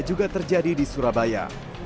juga terjadi di surabaya